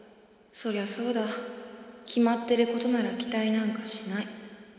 そりゃそうだ決まってることなら期待なんかしない。